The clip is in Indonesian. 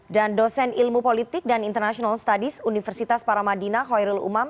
dan dosen ilmu politik dan international studies universitas paramadina hoirul umam